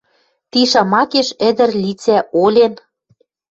Ти шамакеш ӹдӹр лицӓ олен